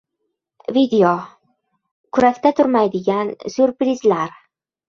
Video: Kurakda turmaydigan «syurpriz»lar...